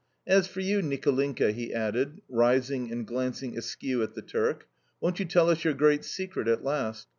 As for you, Nicolinka," he added, rising and glancing askew at the Turk, "won't you tell us your great secret at last?